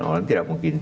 harus di kongles